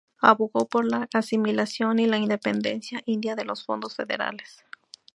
Abogó por la asimilación y la independencia India de los fondos federales.